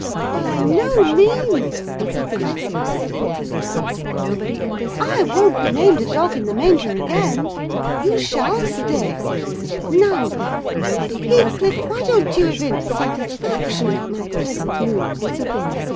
"By no means!" cried Mrs. Linton in answer. "I won't be named a dog in the manger again. You shall stay: now then! Heathcliff, why don't you evince satisfaction at my pleasant news?